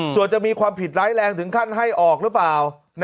ส่วนจะมีความผิดร้ายแรงถึงขั้นให้ออกหรือเปล่า